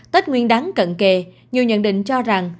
tết nguyên đáng cận kề nhiều nhận định cho rằng